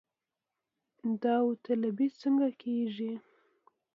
داوطلبي څنګه کیږي؟